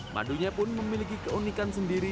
madunya pun memiliki keunikan sendiri